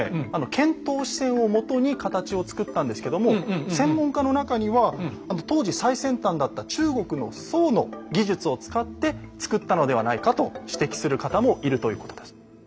遣唐使船をもとに形を作ったんですけども専門家の中には当時最先端だった中国の宋の技術を使って造ったのではないかと指摘する方もいるということです。